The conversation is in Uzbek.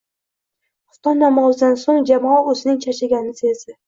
Xufton namozidan so`ng Jamol o`zining charchaganini sezdi